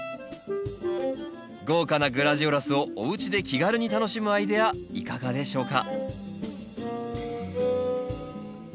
豪華なグラジオラスをおうちで気軽に楽しむアイデアいかがでしょうか？